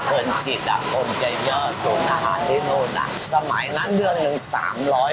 เกินจิตอ่ะผมจะยอดศูนย์อาหารที่นู่นอ่ะสมัยนั้นเดือนหนึ่งสามร้อย